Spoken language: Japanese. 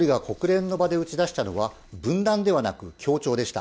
岸田総理が国連の場で打ち出したのは、分断ではなく協調でした。